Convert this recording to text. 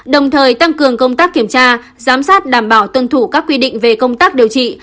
đồng thời tăng cường công tác kiểm tra giám sát đảm bảo tuân thủ các quy định về công tác điều trị